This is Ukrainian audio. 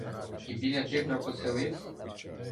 І біля Тибра поселивсь?